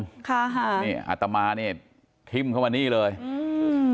ทริมค่ะฮ่านี่อาตมาในทิมเข้ามานี้เลยอืม